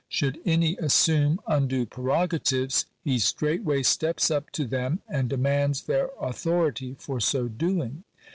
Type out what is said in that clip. Should any assume undue prerogatives, he straightway steps up to them, and demands their authority for so doing.